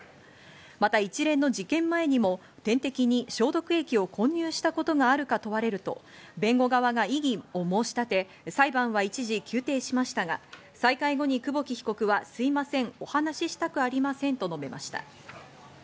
また一連の事件前にも点滴に消毒液を混入したことがあるか問われると弁護側が異議を申し立て、裁判は一時休廷しましたが、再開後に久保木被告はすいません、お話ししたくありませんと述べました。